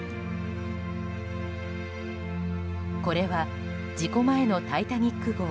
これは事故前の「タイタニック号」。